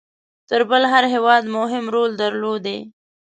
تر بل هر هیواد مهم رول درلودی.